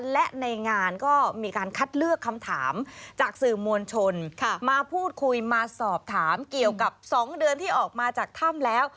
และในงานก็มีการคัดเลือกคำถามจากสื่อมวลชนมาพูดคุยมาสอบถามเกี่ยวกับ๒เดือนที่ออกมาจากถ้ำแล้ว